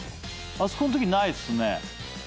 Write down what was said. あそこんときないっすね。